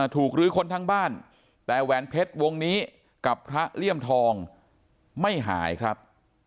หรือคนทั้งบ้านแต่แหวนเพชรวงนี้กับพระเลี่ยมทองไม่หายครับ